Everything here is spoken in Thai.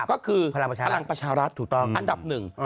ก็คือพลังประชารัฐอันดับหนึ่ง